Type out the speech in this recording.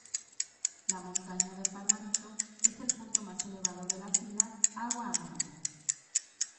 La Montaña de Palmarito es el punto más elevado de la fila Agua Amarilla.